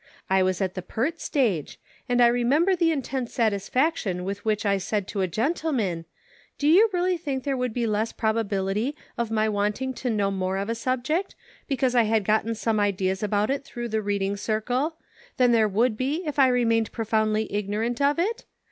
I was at the pert age, and I remember the intense satisfaction with which I said to a gentleman :' Do you really think there would be less probability of my wanting to know more of a subject, because I had gotten some ideas about it through the Reading Circle, than there would be if I remained profoundly ignorant of it